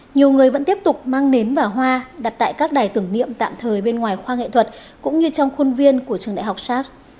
nhiều người vẫn tiếp tục mang nến và hoa đặt tại các đài tưởng niệm tạm thời bên ngoài khoa nghệ thuật cũng như trong khuôn viên của trường đại học sars